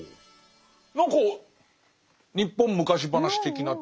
何か日本昔話的な。